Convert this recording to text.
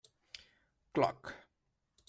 Cloc.